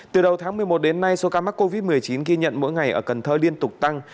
từ đầu tháng một mươi một đến nay số ca mắc covid một mươi chín ghi nhận mỗi ngày ở cần thơ liên tục tăng